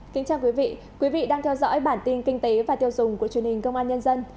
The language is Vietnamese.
kính chào quý vị quý vị đang theo dõi bản tin kinh tế và tiêu dùng của truyền hình công an nhân dân